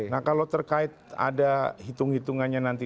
nah kalau terkait ada hitung hitungannya nanti